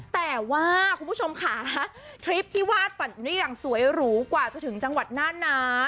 แต่ว่าคุณผู้ชมค่ะทริปที่วาดฝันได้อย่างสวยหรูกว่าจะถึงจังหวัดน่านนะ